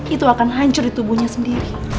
itu akan hancur di tubuhnya sendiri